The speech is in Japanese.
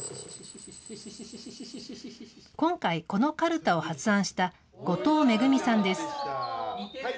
今回、このカルタを発案した後藤めぐみさんです。